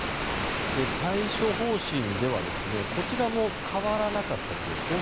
対処方針ではこちらも変わらなかったところ。